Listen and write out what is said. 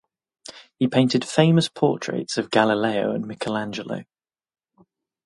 He painted famous portraits of Galileo and Michelangelo.